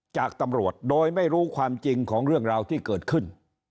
จากตำรวจโดยไม่รู้ความจริงของเรื่องราวที่เกิดขึ้น